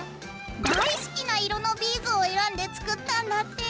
大好きな色のビーズを選んで作ったんだって。